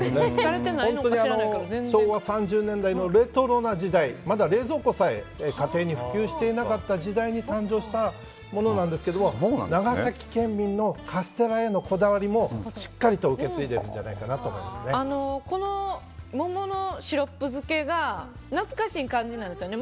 本当に昭和３０年代のレトロな時代まだ冷蔵庫さえ家庭に普及していなかった時代に誕生したものなんですが長崎県民のカステラへのこだわりもしっかりと受け継いでいるとこの桃のシロップ漬けが懐かしい感じなんですよね。